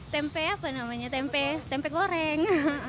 tempe apa namanya tempe tempe goreng